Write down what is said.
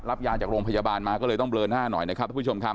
รับยาจากโรงพยาบาลมาก็เลยต้องเบลอหน้าหน่อยนะครับ